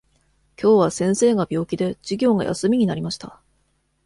きょうは先生が病気で、授業が休みになりました。